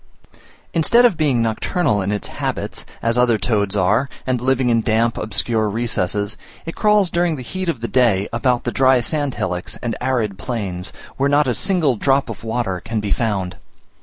Instead of being nocturnal in its habits, as other toads are, and living in damp obscure recesses, it crawls during the heat of the day about the dry sand hillocks and arid plains, where not a single drop of water can be found.